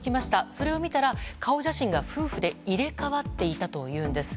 それを見たら、顔写真が夫婦で入れ替わっていたというのです。